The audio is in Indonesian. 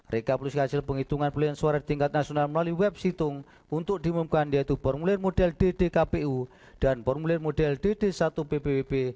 rekaplus hasil penghitungan pelian suara di tingkat nasional melalui web situng untuk diumumkan yaitu formulir model ddkpu dan formulir model dd satu ppwp